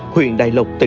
huyện đài lộc tây nguyên